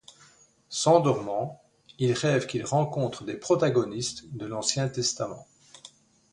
S'endormant, il rêve qu'il rencontre des protagonistes de l'Ancien Testament...